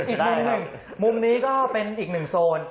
อีกมุมหนึ่งมุมนี้ก็เป็นอีกหนึ่งโซน